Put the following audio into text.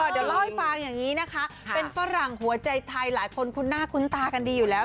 เดี๋ยวเล่าให้ฟังอย่างนี้นะคะเป็นฝรั่งหัวใจไทยหลายคนคุ้นหน้าคุ้นตากันดีอยู่แล้ว